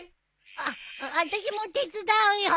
あっあたしも手伝うよ。